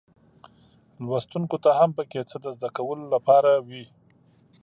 لوستونکو ته هم پکې څه د زده کولو لپاره وي.